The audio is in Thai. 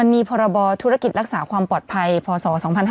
มีพรบธุรกิจรักษาความปลอดภัยพศ๒๕๕๙